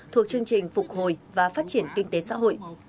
thuộc chương trình phục hồi và phát triển kinh tế xã hội